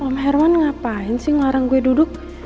om herman ngapain sih ngelarang gue duduk